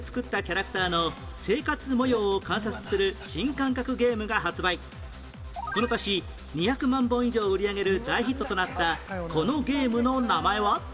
１２年前自身のこの年２００万本以上を売り上げる大ヒットとなったこのゲームの名前は？